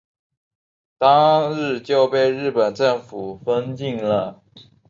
当日就被日本政府封禁了。